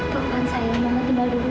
tuhan saya mau tidur dulu ya